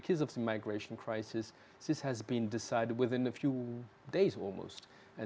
jadi sekarang kita memiliki kekuatan